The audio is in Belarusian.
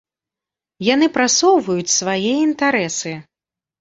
Яны прасоўваюць свае інтарэсы.